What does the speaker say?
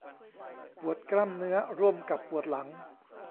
ปวดกล้ามเนื้อร่วมกับปวดหลัง